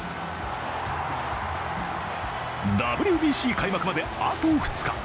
ＷＢＣ開幕であと２日。